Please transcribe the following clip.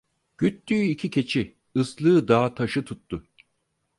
Güttüğü iki keçi, ıslığı dağı taşı tuttu.